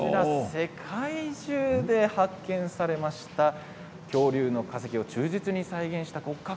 世界中で発見されました恐竜の化石を忠実に再現した骨格